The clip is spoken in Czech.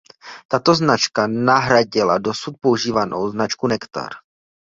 Tato značka nahradila dosud používanou značku Nektar.